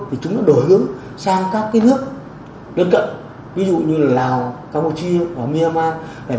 thì chúng nó đổi hướng sang các cái nước đơn cận ví dụ như là lào campuchia và myanmar